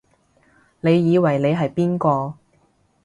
你以為你係邊個？